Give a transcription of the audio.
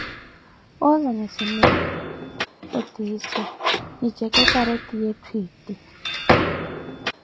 woozanye cimenti, otiise, nijeke pareti yetthu eti.